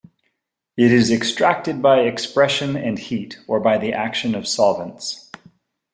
It is extracted by expression and heat, or by the action of solvents.